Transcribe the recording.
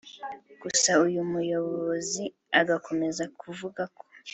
Gusa uyu muyobozi agakomeza kuvuga ko